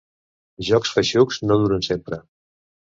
Jocs feixucs no duren sempre.